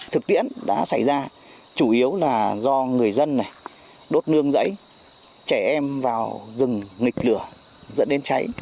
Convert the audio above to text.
thực tiễn đã xảy ra chủ yếu là do người dân này đốt nương rẫy trẻ em vào rừng nghịch lửa dẫn đến cháy